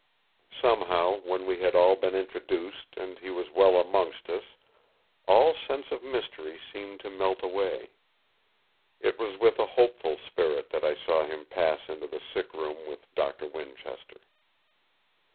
Somehow, when we had all been introduced and he was well amongst us, all sense of mystery seemed to melt away. It was with a hopeful spirit that I saw him pass into the sick room with Doctor Winchester.